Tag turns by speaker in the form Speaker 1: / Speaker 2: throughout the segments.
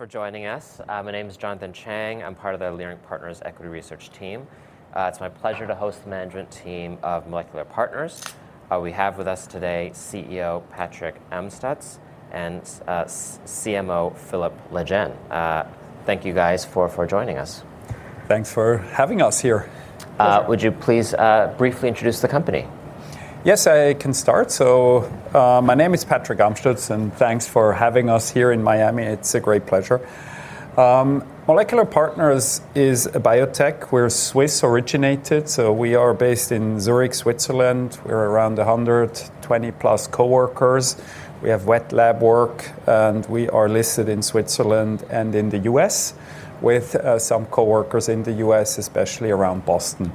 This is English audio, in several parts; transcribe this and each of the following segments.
Speaker 1: Thanks for joining us. My name is Jonathan Chang. I am part of the Leerink Partners Equity Research team. It is my pleasure to host the management team of Molecular Partners. We have with us today CEO, Patrick Amstutz, and CMO, Philippe Legenne. Thank you guys for joining us.
Speaker 2: Thanks for having us here.
Speaker 1: Would you please briefly introduce the company?
Speaker 2: I can start. My name is Patrick Amstutz, thanks for having us here in Miami. It is a great pleasure. Molecular Partners is a biotech. We are Swiss originated, we are based in Zurich, Switzerland. We are around 120 plus coworkers. We have wet lab work, we are listed in Switzerland and in the U.S., with some coworkers in the U.S., especially around Boston.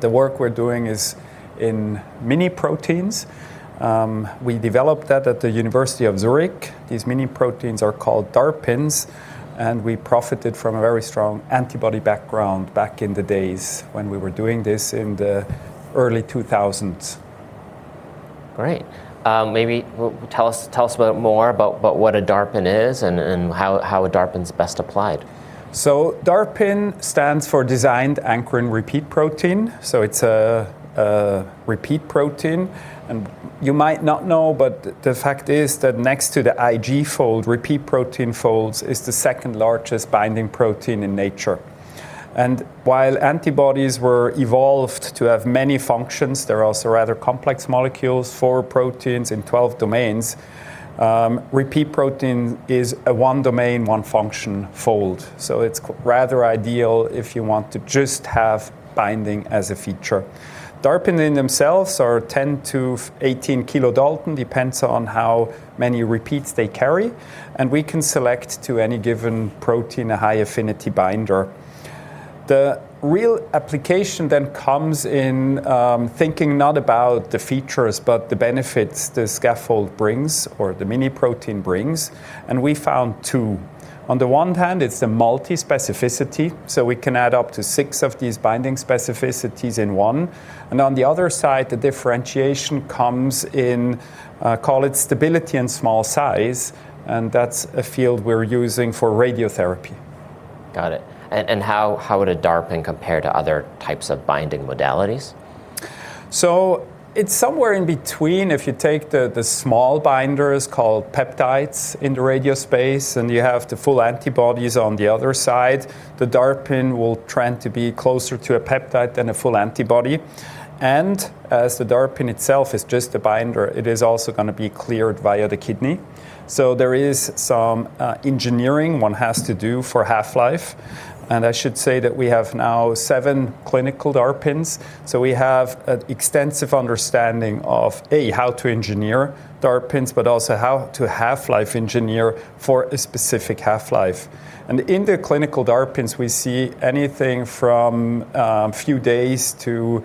Speaker 2: The work we are doing is in mini-proteins. We developed that at the University of Zurich. These mini-proteins are called DARPins, we profited from a very strong antibody background back in the days when we were doing this in the early 2000s.
Speaker 1: Great. Maybe tell us a bit more about what a DARPin is and how a DARPin's best applied?
Speaker 2: DARPin stands for Designed Ankyrin Repeat Protein, it's a repeat protein. You might not know, but the fact is that next to the Ig fold, repeat protein folds is the second-largest binding protein in nature. While antibodies were evolved to have many functions, they're also rather complex molecules, four proteins in 12 domains, repeat protein is a one domain, one function fold. It's rather ideal if you want to just have binding as a feature. DARPin in themselves are 10 to 18 kilodalton, depends on how many repeats they carry, and we can select to any given protein a high affinity binder. The real application comes in thinking not about the features, but the benefits the scaffold brings or the mini-protein brings, and we found two. On the one hand, it's the multi-specificity, we can add up to six of these binding specificities in one. On the other side, the differentiation comes in, call it stability and small size, and that's a field we're using for radiotherapy.
Speaker 1: Got it. How would a DARPin compare to other types of binding modalities?
Speaker 2: It's somewhere in between. If you take the small binders called peptides in the radio space, and you have the full antibodies on the other side, the DARPin will trend to be closer to a peptide than a full antibody. As the DARPin itself is just a binder, it is also going to be cleared via the kidney. There is some engineering one has to do for half-life, and I should say that we have now seven clinical DARPins. We have an extensive understanding of, A, how to engineer DARPins, but also how to half-life engineer for a specific half-life. In the clinical DARPins, we see anything from a few days to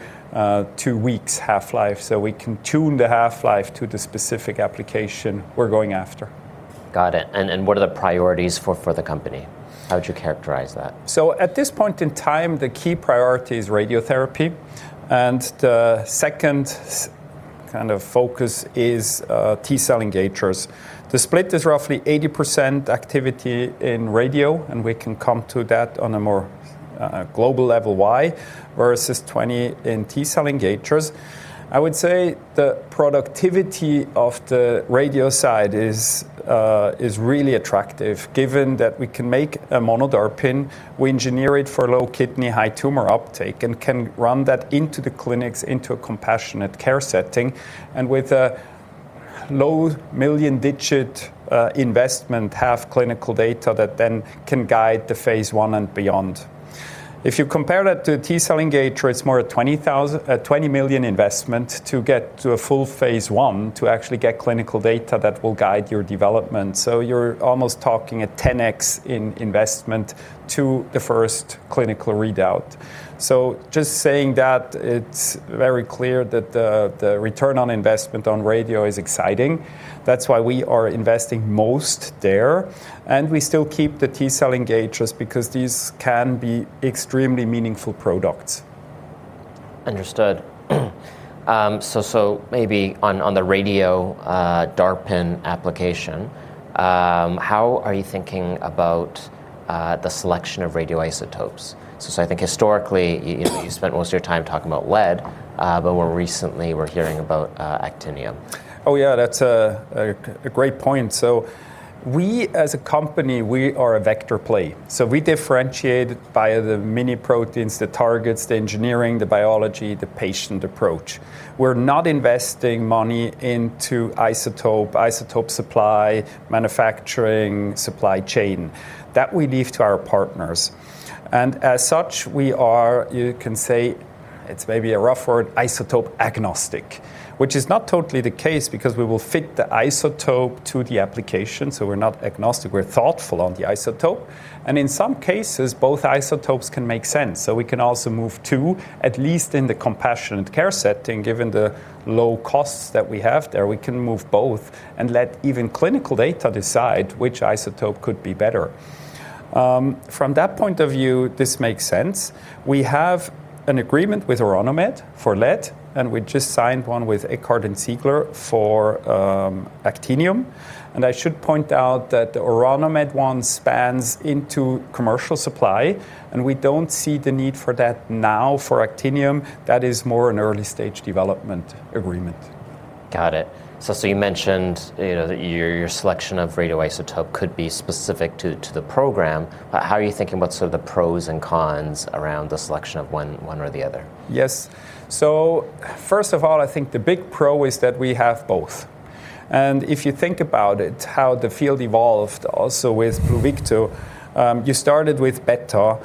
Speaker 2: two weeks half-life. We can tune the half-life to the specific application we're going after.
Speaker 1: Got it. What are the priorities for the company? How would you characterize that?
Speaker 2: At this point in time, the key priority is radiotherapy, and the second kind of focus is T cell engagers. The split is roughly 80% activity in radio, and we can come to that on a more global level why, versus 20% in T cell engagers. I would say the productivity of the radio side is really attractive given that we can make a mono DARPin, we engineer it for low kidney, high tumor uptake, and can run that into the clinics, into a compassionate care setting, and with a low million-digit investment, have clinical data that then can guide the phase I and beyond. If you compare that to T cell engager, it's more a 20 million investment to get to a full phase I to actually get clinical data that will guide your development. You're almost talking a 10x in investment to the first clinical readout. Just saying that, it's very clear that the return on investment on radio is exciting. That's why we are investing most there, and we still keep the T cell engagers because these can be extremely meaningful products.
Speaker 1: Understood. Maybe on the Radio-DARPin application, how are you thinking about the selection of radioisotopes? I think historically, you spent most of your time talking about lead, but more recently we're hearing about actinium.
Speaker 2: Yeah, that's a great point. We as a company, we are a vector play. We differentiate via the mini-proteins, the targets, the engineering, the biology, the patient approach. We're not investing money into isotope supply, manufacturing, supply chain. That we leave to our partners. As such, we are, you can say, it's maybe a rough word, isotope agnostic, which is not totally the case because we will fit the isotope to the application, so we're not agnostic, we're thoughtful on the isotope. In some cases, both isotopes can make sense. We can also move two, at least in the compassionate care setting. Given the low costs that we have there, we can move both and let even clinical data decide which isotope could be better. From that point of view, this makes sense. We have an agreement with Orano Med for lead, we just signed one with Eckert & Ziegler for actinium. I should point out that the Orano Med one spans into commercial supply, we don't see the need for that now for actinium. That is more an early-stage development agreement.
Speaker 1: Got it. You mentioned that your selection of radioisotope could be specific to the program, how are you thinking about sort of the pros and cons around the selection of one or the other?
Speaker 2: Yes. First of all, I think the big pro is that we have both. If you think about it, how the field evolved also with Lutathera, you started with beta,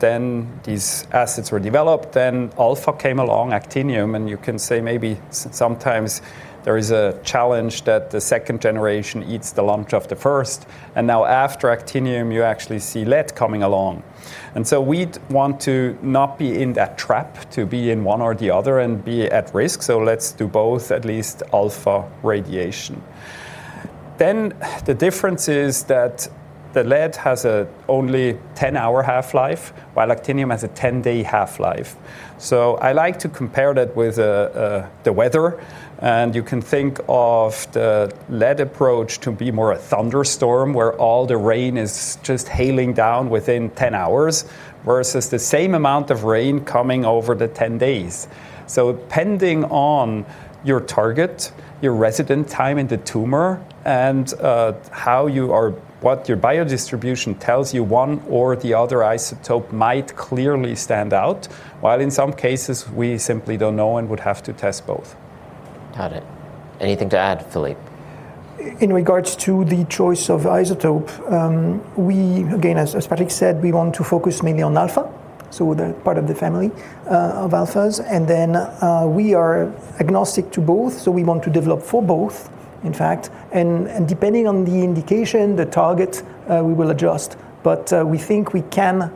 Speaker 2: then these assets were developed, then alpha came along, actinium, and you can say maybe sometimes there is a challenge that the second generation eats the lunch of the first. Now after actinium, you actually see lead coming along. We'd want to not be in that trap to be in one or the other and be at risk. Let's do both at least alpha radiation. The difference is that the lead has an only 10-hour half-life, while actinium has a 10-day half-life. I like to compare that with the weather. You can think of the lead approach to be more a thunderstorm, where all the rain is just hailing down within 10 hours versus the same amount of rain coming over the 10 days. Depending on your target, your resident time in the tumor, and what your biodistribution tells you, one or the other isotope might clearly stand out, while in some cases, we simply don't know and would have to test both.
Speaker 1: Got it. Anything to add, Philippe?
Speaker 3: In regards to the choice of isotope, we, again, as Patrick said, we want to focus mainly on alpha, the part of the family of alphas. We are agnostic to both, so we want to develop for both, in fact. Depending on the indication, the target, we will adjust. We think we can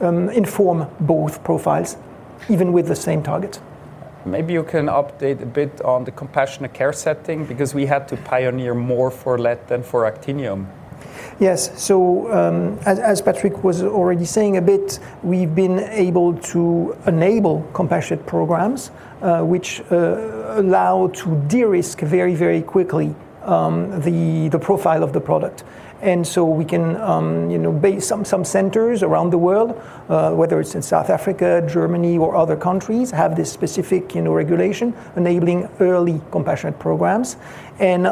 Speaker 3: inform both profiles even with the same target.
Speaker 2: Maybe you can update a bit on the compassionate care setting because we had to pioneer more for lead than for actinium.
Speaker 3: Yes. As Patrick was already saying a bit, we've been able to enable compassionate programs, which allow to de-risk very quickly the profile of the product. Some centers around the world, whether it's in South Africa, Germany, or other countries, have this specific regulation enabling early compassionate programs. It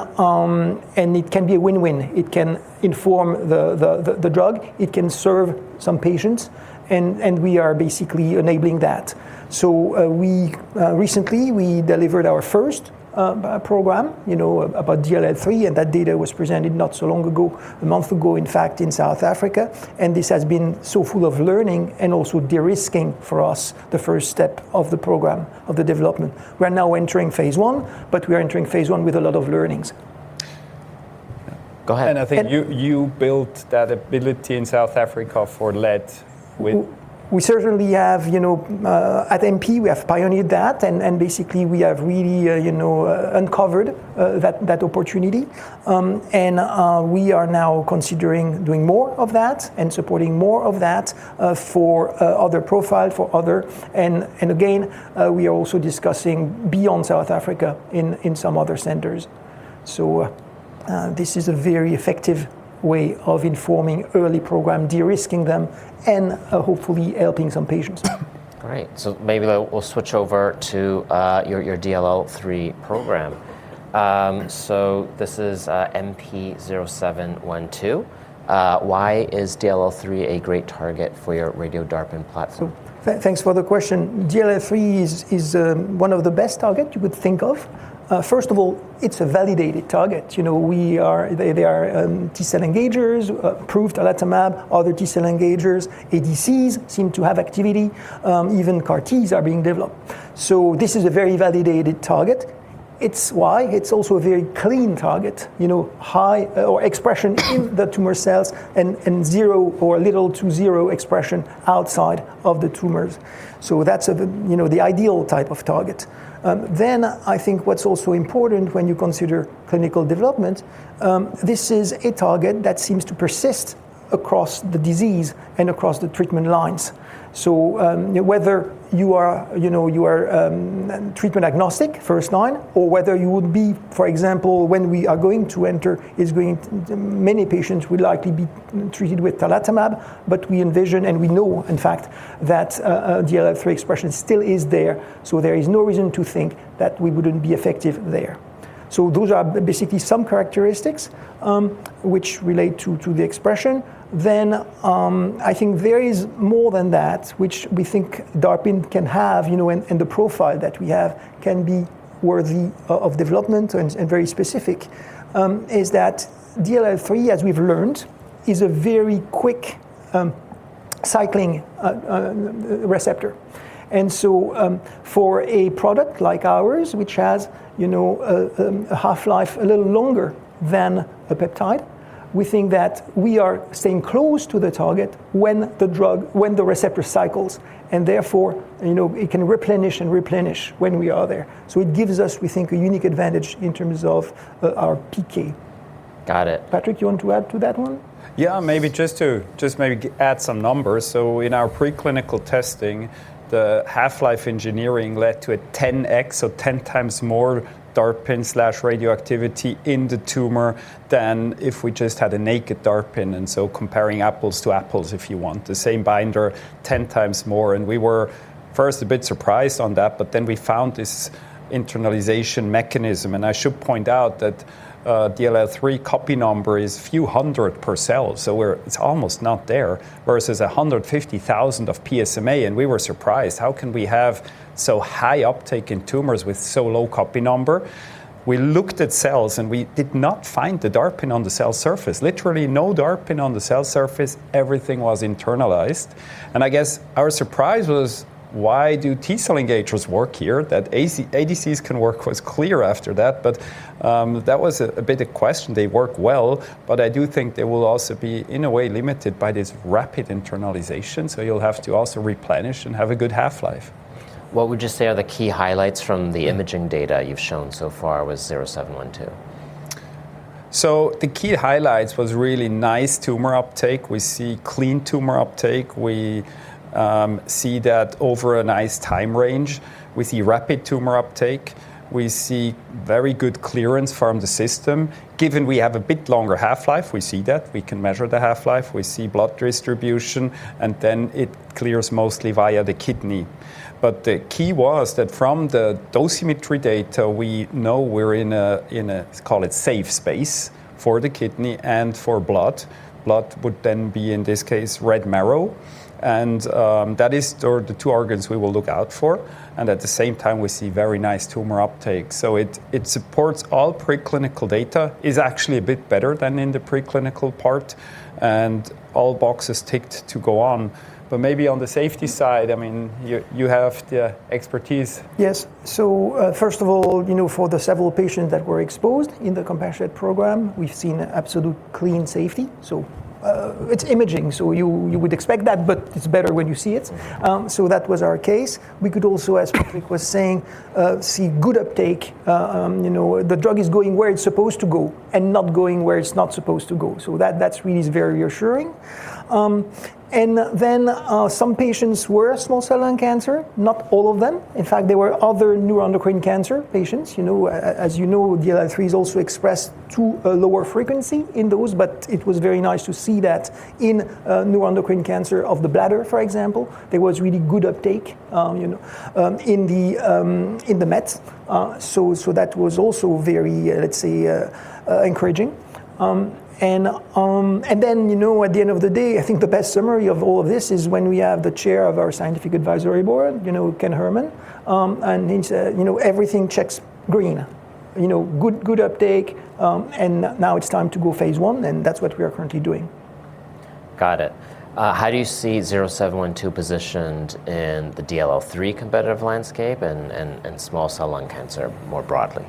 Speaker 3: can be a win-win. It can inform the drug, it can serve some patients, and we are basically enabling that. Recently, we delivered our first program about DLL3, and that data was presented not so long ago, a month ago, in fact, in South Africa. This has been so full of learning and also de-risking for us the first step of the program of the development. We're now entering phase I, but we're entering phase I with a lot of learnings.
Speaker 1: Go ahead.
Speaker 2: I think you built that ability in South Africa for lead with-
Speaker 3: We certainly have. At MP, we have pioneered that, basically, we have really uncovered that opportunity. We are now considering doing more of that and supporting more of that for other profile. Again, we are also discussing beyond South Africa in some other centers. This is a very effective way of informing early program, de-risking them, and hopefully helping some patients.
Speaker 1: Great. Maybe we'll switch over to your DLL3 program. This is MP0712. Why is DLL3 a great target for your Radio-DARPin platform?
Speaker 3: Thanks for the question. DLL3 is one of the best targets you could think of. First of all, it's a validated target. They are T cell engagers, approved talquetamab, other T cell engagers. ADCs seem to have activity. Even CAR T are being developed. This is a very validated target. It's why it's also a very clean target, high expression in the tumor cells, and zero or little to zero expression outside of the tumors. That's the ideal type of target. I think what's also important when you consider clinical development, this is a target that seems to persist across the disease and across the treatment lines. Whether you are treatment agnostic first line, or whether you would be, for example, when we are going to enter, many patients would likely be treated with talquetamab, but we envision, and we know, in fact, that DLL3 expression still is there, so there is no reason to think that we wouldn't be effective there. Those are basically some characteristics which relate to the expression. I think there is more than that, which we think DARPin can have, and the profile that we have can be worthy of development and very specific, is that DLL3, as we've learned, is a very quick cycling receptor. For a product like ours, which has a half-life a little longer than a peptide, we think that we are staying close to the target when the receptor cycles, and therefore, it can replenish when we are there. It gives us, we think, a unique advantage in terms of our PK.
Speaker 1: Got it.
Speaker 3: Patrick, you want to add to that one?
Speaker 2: Yeah, maybe just to add some numbers. In our preclinical testing, the half-life engineering led to a 10x, so 10 times more DARPin/radioactivity in the tumor than if we just had a naked DARPin. Comparing apples to apples, if you want, the same binder 10 times more. We were first a bit surprised on that, but then we found this internalization mechanism, and I should point out that, DLL3 copy number is a few hundred per cell, so it's almost not there, versus 150,000 of PSMA, and we were surprised. How can we have so high uptake in tumors with so low copy number? We looked at cells. We did not find the DARPin on the cell surface. Literally no DARPin on the cell surface. Everything was internalized. I guess our surprise was, why do T-cell engagers work here? That ADCs can work was clear after that was a bit a question. They work well, I do think they will also be, in a way, limited by this rapid internalization, you'll have to also replenish and have a good half-life.
Speaker 1: What would you say are the key highlights from the imaging data you've shown so far with 0712?
Speaker 2: The key highlights was really nice tumor uptake. We see clean tumor uptake. We see that over a nice time range. We see rapid tumor uptake. We see very good clearance from the system. Given we have a bit longer half-life, we see that. We can measure the half-life. We see blood distribution, and then it clears mostly via the kidney. The key was that from the dosimetry data, we know we're in a, call it safe space for the kidney and for blood. Blood would then be, in this case, red marrow. That is the two organs we will look out for. At the same time, we see very nice tumor uptake. It supports all preclinical data, is actually a bit better than in the preclinical part, and all boxes ticked to go on. Maybe on the safety side, you have the expertise.
Speaker 3: Yes. First of all, for the several patients that were exposed in the compassionate program, we've seen absolute clean safety. It's imaging, so you would expect that, but it's better when you see it. That was our case. We could also, as Patrick was saying, see good uptake. The drug is going where it's supposed to go and not going where it's not supposed to go. That really is very reassuring. Then some patients were small cell lung cancer, not all of them. In fact, there were other neuroendocrine cancer patients. As you know, DLL3 is also expressed to a lower frequency in those, it was very nice to see that in neuroendocrine cancer of the bladder, for example. There was really good uptake in the mets. That was also very, let's say, encouraging. At the end of the day, I think the best summary of all of this is when we have the chair of our scientific advisory board, Ken Herrmann, he said, "Everything checks green." Good uptake. Now it's time to go phase I. That's what we are currently doing.
Speaker 1: Got it. How do you see 0712 positioned in the DLL3 competitive landscape and small cell lung cancer more broadly?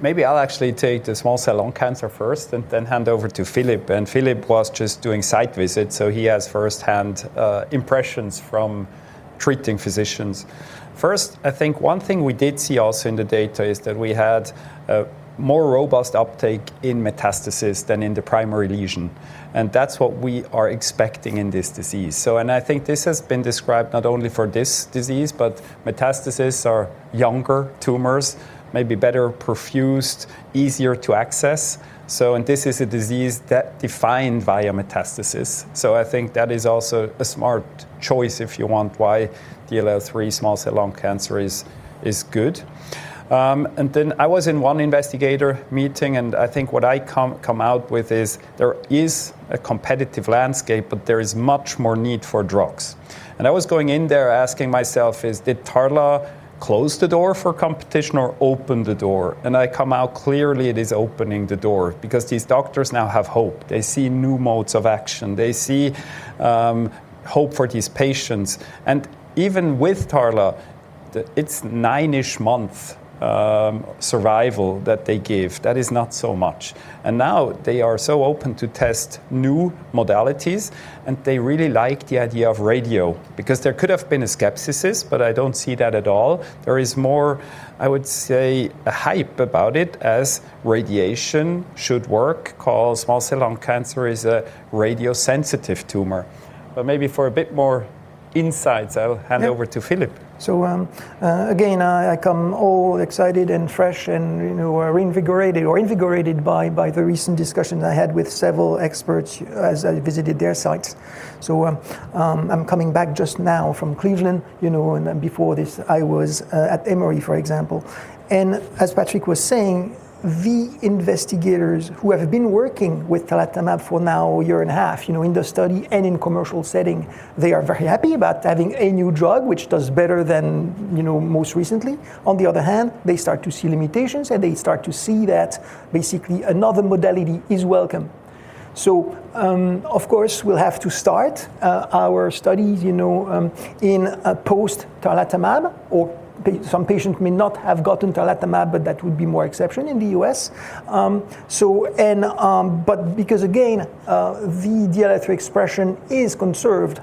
Speaker 2: Maybe I'll actually take the small cell lung cancer first, then hand over to Philippe. Philippe was just doing site visits, so he has first-hand impressions from treating physicians. First, I think one thing we did see also in the data is that we had a more robust uptake in metastasis than in the primary lesion. That's what we are expecting in this disease. I think this has been described not only for this disease, but metastasis are younger tumors, maybe better perfused, easier to access. This is a disease that defined via metastasis. I think that is also a smart choice, if you want, why DLL3 small cell lung cancer is good. I was in one investigator meeting. I think what I come out with is there is a competitive landscape, but there is much more need for drugs. I was going in there asking myself is, did tarlatamab close the door for competition or open the door? I come out clearly it is opening the door because these doctors now have hope. They see new modes of action. They see hope for these patients. Even with tarlatamab, it's nine-ish month survival that they give. That is not so much. Now they are so open to test new modalities. They really like the idea of radio because there could have been a skepticism, but I don't see that at all. There is more, I would say, a hype about it as radiation should work, because small cell lung cancer is a radio-sensitive tumor. Maybe for a bit more insights, I'll hand over to Philippe.
Speaker 3: Again, I come all excited and fresh and invigorated by the recent discussions I had with several experts as I visited their sites. I'm coming back just now from Cleveland, and before this, I was at Emory, for example. As Patrick was saying, the investigators who have been working with tarlatamab for now a year and a half, in the study and in commercial setting, they are very happy about having a new drug which does better than most recently. On the other hand, they start to see limitations, and they start to see that basically another modality is welcome. Of course, we'll have to start our studies in a post tarlatamab or some patients may not have gotten tarlatamab, but that would be more exception in the U.S. Because again, the DLL3 expression is conserved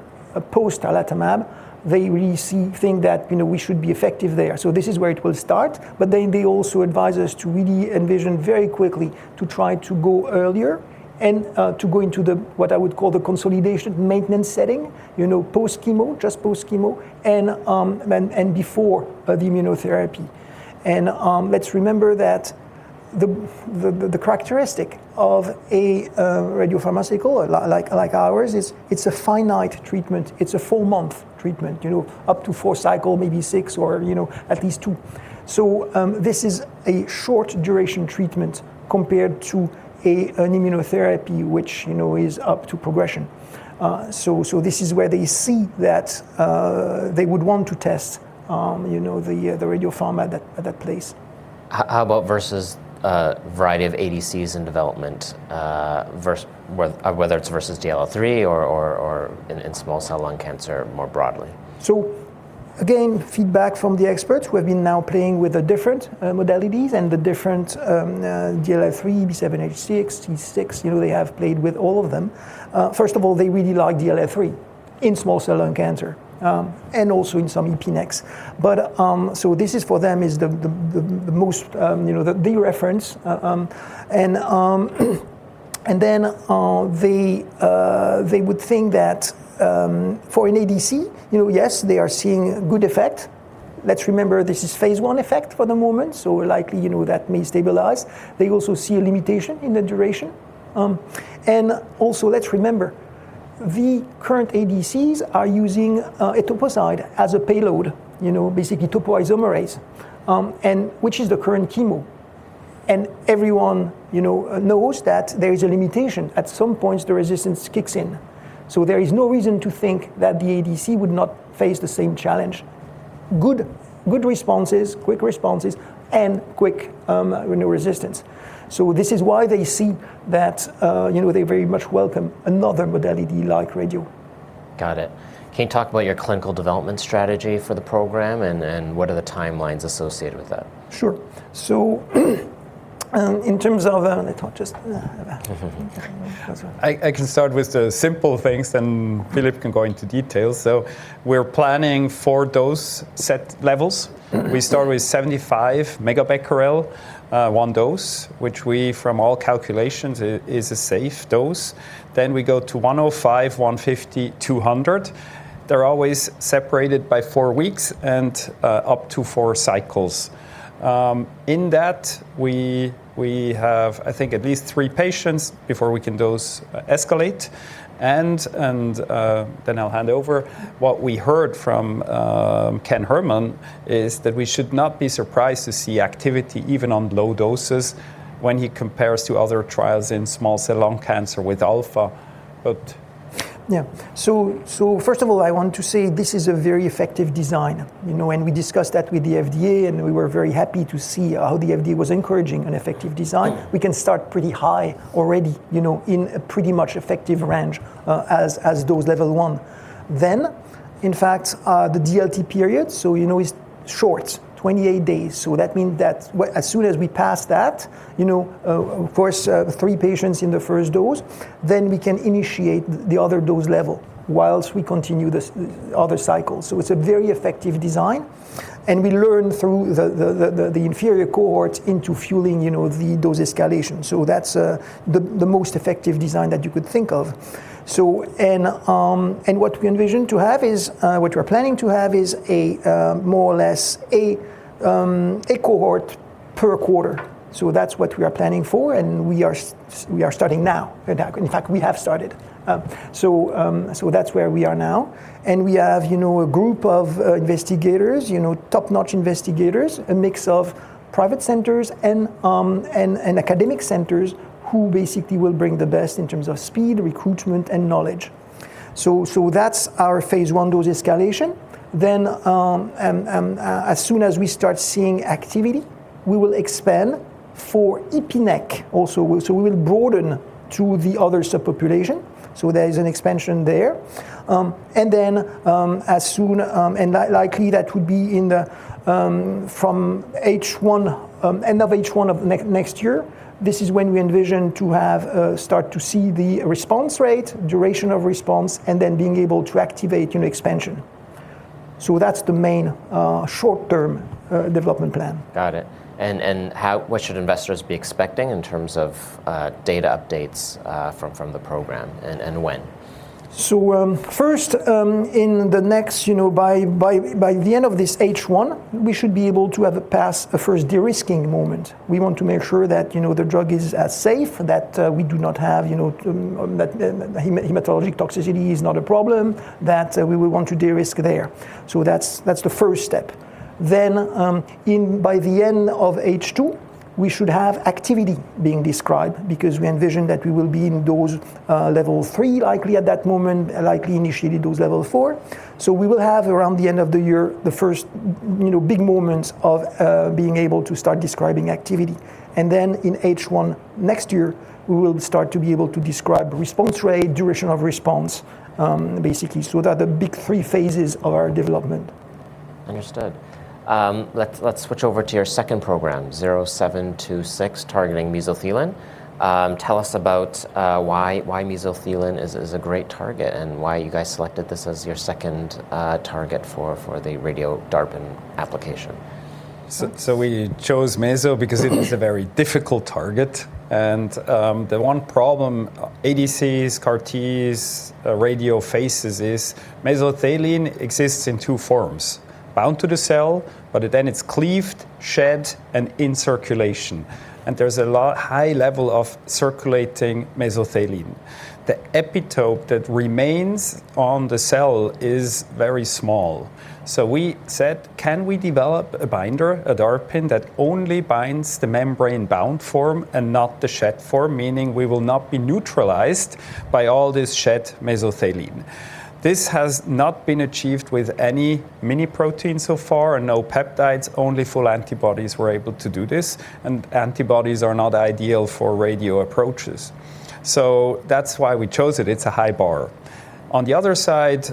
Speaker 3: post tarlatamab, they really think that we should be effective there. This is where it will start, but then they also advise us to really envision very quickly to try to go earlier and to go into the, what I would call the consolidation maintenance setting, post chemo, just post chemo, and before the immunotherapy. Let's remember that the characteristic of a radiopharmaceutical like ours is it's a finite treatment. It's a four-month treatment, up to four cycle, maybe six or at least two. This is a short-duration treatment compared to an immunotherapy, which is up to progression. This is where they see that they would want to test the radiopharma at that place.
Speaker 1: How about versus a variety of ADCs in development, whether it's versus DLL3 or in small cell lung cancer more broadly?
Speaker 3: feedback from the experts who have been now playing with the different modalities and the different DLL3, B7-H3, TROP2, they have played with all of them. First of all, they really like DLL3 in small cell lung cancer, and also in some EP-NECs. This is for them is the reference. They would think that for an ADC, yes, they are seeing good effect. Let's remember this is phase I effect for the moment, so likely, that may stabilize. They also see a limitation in the duration. Also, let's remember, the current ADCs are using etoposide as a payload, basically topoisomerase, which is the current chemo. Everyone knows that there is a limitation. At some point, the resistance kicks in. There is no reason to think that the ADC would not face the same challenge. Good responses, quick responses, and quick renewal resistance. This is why they see that they very much welcome another modality like radio.
Speaker 1: Got it. Can you talk about your clinical development strategy for the program and what are the timelines associated with that?
Speaker 3: Sure.
Speaker 2: I can start with the simple things, then Philippe can go into details. We're planning 4 dose set levels. We start with 75 megabecquerel, one dose, which we, from all calculations, is a safe dose. We go to 105, 150, 200. They're always separated by four weeks and up to four cycles. In that, we have, I think, at least three patients before we can dose escalate. I'll hand over. What we heard from Ken Herrmann is that we should not be surprised to see activity even on low doses when he compares to other trials in small cell lung cancer with alpha.
Speaker 3: First of all, I want to say this is a very effective design, and we discussed that with the FDA, and we were very happy to see how the FDA was encouraging an effective design. We can start pretty high already, in a pretty much effective range as dose level 1. In fact, the DLT period is short, 28 days, that means that as soon as we pass that, of course, three patients in the first dose, we can initiate the other dose level whilst we continue the other cycle. It's a very effective design, and we learn through the inferior cohorts into fueling the dose escalation. That's the most effective design that you could think of. What we envisioned to have is, what we're planning to have is a more or less a cohort per quarter. That's what we are planning for, and we are starting now. In fact, we have started. That's where we are now. We have a group of investigators, top-notch investigators, a mix of private centers and academic centers who basically will bring the best in terms of speed, recruitment, and knowledge. That's our phase I dose escalation. As soon as we start seeing activity, we will expand for EP-NEC also. We will broaden to the other subpopulation. There is an expansion there. Likely that would be from end of H1 of next year, this is when we envision to have start to see the response rate, duration of response, and then being able to activate expansion. That's the main short-term development plan.
Speaker 1: What should investors be expecting in terms of data updates from the program, and when?
Speaker 3: First, by the end of this H1, we should be able to have a pass, a first de-risking moment. We want to make sure that the drug is as safe, that hematologic toxicity is not a problem, that we want to de-risk there. That's the first step. By the end of H2, we should have activity being described because we envision that we will be in dose level 3 likely at that moment, likely initiated dose level 4. We will have around the end of the year the first big moments of being able to start describing activity. In H1 next year, we will start to be able to describe response rate, duration of response, basically. They are the big 3 phases of our development.
Speaker 1: Understood. Let's switch over to your 2nd program, 0726, targeting mesothelin. Tell us about why mesothelin is a great target, and why you guys selected this as your 2nd target for the Radio-DARPin application.
Speaker 2: We chose meso because it is a very difficult target, and the one problem ADCs, CAR T, radio faces is mesothelin exists in 2 forms, bound to the cell, but then it's cleaved, shed, and in circulation, and there's a high level of circulating mesothelin. The epitope that remains on the cell is very small. We said, can we develop a binder, a DARPin, that only binds the membrane-bound form and not the shed form, meaning we will not be neutralized by all this shed mesothelin? This has not been achieved with any mini-protein so far, and no peptides. Only full antibodies were able to do this, and antibodies are not ideal for radio approaches. That's why we chose it. It's a high bar. On the other side,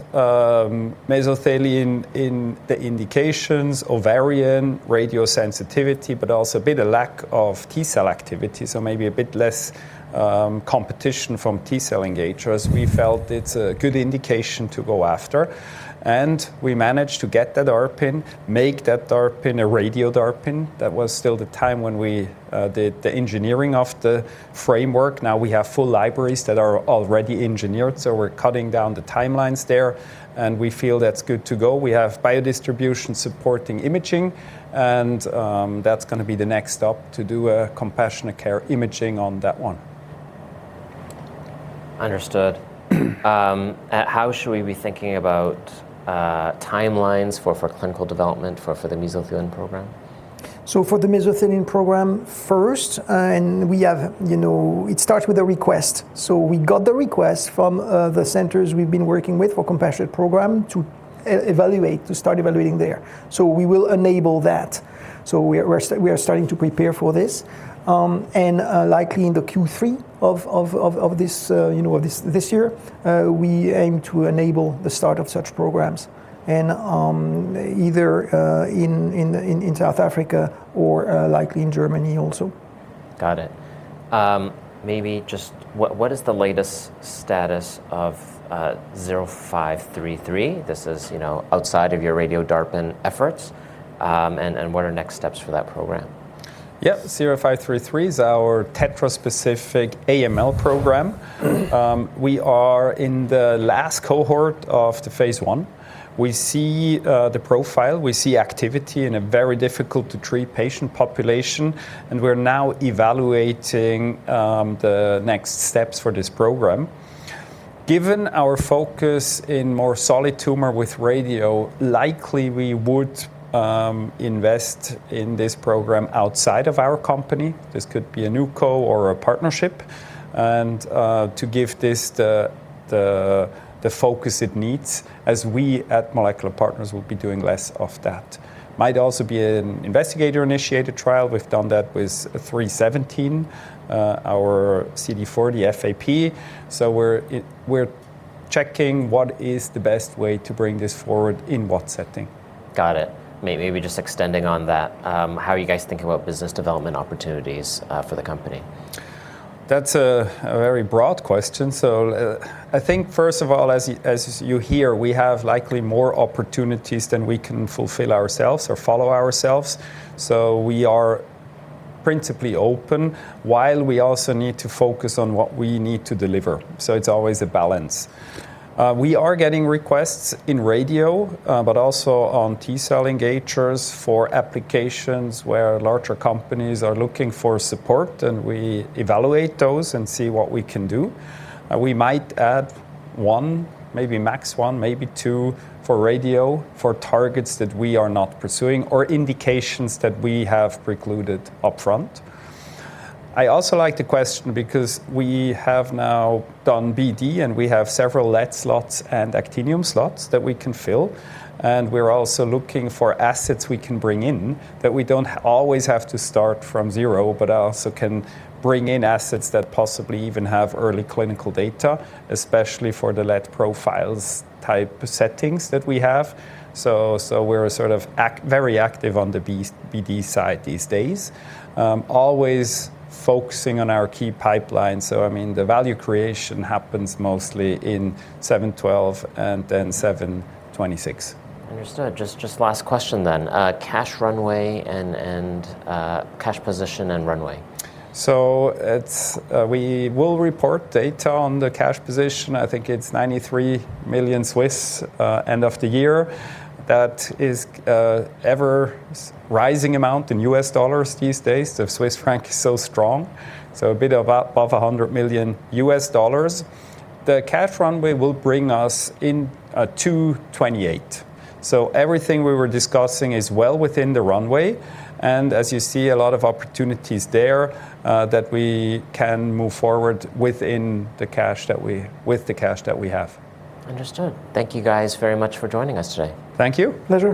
Speaker 2: mesothelin in the indications, ovarian radiosensitivity, but also a bit of lack of T cell activity, so maybe a bit less competition from T cell engagers. We felt it's a good indication to go after, and we managed to get the DARPin, make that DARPin a Radio-DARPin. That was still the time when we did the engineering of the framework. Now we have full libraries that are already engineered, so we're cutting down the timelines there, and we feel that's good to go. We have biodistribution supporting imaging, and that's going to be the next stop, to do compassionate care imaging on that one.
Speaker 1: Understood. How should we be thinking about timelines for clinical development for the mesothelin program?
Speaker 3: For the mesothelin program first, it starts with a request. We got the request from the centers we've been working with for compassionate program to start evaluating there. We will enable that. We are starting to prepare for this, and likely in the Q3 of this year, we aim to enable the start of such programs in either South Africa or likely in Germany also.
Speaker 1: Got it. What is the latest status of 0533? This is outside of your Radio-DARPin efforts, and what are next steps for that program?
Speaker 2: MP0533 is our tetra-specific AML program. We are in the last cohort of the phase I. We see the profile. We see activity in a very difficult-to-treat patient population, and we're now evaluating the next steps for this program. Given our focus in more solid tumor with radio, likely we would invest in this program outside of our company, this could be a newco or a partnership, to give this the focus it needs, as we at Molecular Partners will be doing less of that. Might also be an investigator-initiated trial. We've done that with MP0317, our CD40 FAP. We're checking what is the best way to bring this forward, in what setting.
Speaker 1: Got it. Maybe just extending on that, how are you guys thinking about business development opportunities for the company?
Speaker 2: That's a very broad question. I think first of all, as you hear, we have likely more opportunities than we can fulfill ourselves or follow ourselves, we are principally open while we also need to focus on what we need to deliver. It's always a balance. We are getting requests in radio, but also on T-cell engagers for applications where larger companies are looking for support, and we evaluate those and see what we can do. We might add one, maybe max one, maybe two, for radio for targets that we are not pursuing or indications that we have precluded upfront. I also like the question because we have now done BD, we have several lead slots and actinium slots that we can fill, we're also looking for assets we can bring in that we don't always have to start from zero, but also can bring in assets that possibly even have early clinical data, especially for the lead profiles type settings that we have. We're very active on the BD side these days, always focusing on our key pipeline. The value creation happens mostly in MP0712 and MP0726.
Speaker 1: Understood. Just last question. Cash position, and runway.
Speaker 2: We will report data on the cash position. I think it's 93 million end of the year. That is ever-rising amount in US dollars these days. The Swiss franc is so strong, a bit above $100 million. The cash runway will bring us into 2028. Everything we were discussing is well within the runway, and as you see, a lot of opportunities there that we can move forward with the cash that we have.
Speaker 1: Understood. Thank you guys very much for joining us today.
Speaker 2: Thank you.
Speaker 3: Pleasure.